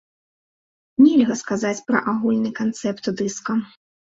Нельга сказаць пра агульны канцэпт дыска.